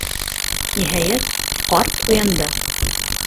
Ниһайәт, ҡарт уянды.